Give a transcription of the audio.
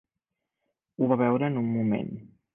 Ho va veure en un moment.